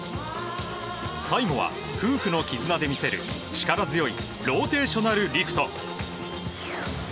最後は夫婦の絆で見せる力強いローテーショナルリフト。